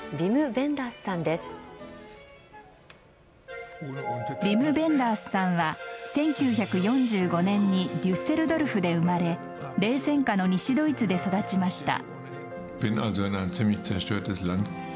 ヴィム・ヴェンダースさんは１９４５年にデュッセルドルフで生まれ冷戦下の西ドイツで育ちました。